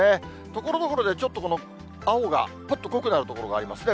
ところどころでちょっとこの青が、ぱっと濃くなる所がありますね。